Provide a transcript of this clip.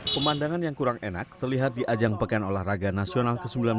pemandangan yang kurang enak terlihat di ajang pekan olahraga nasional ke sembilan belas